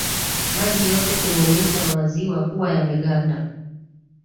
maji yote kwenye mito na maziwa huwa yameganda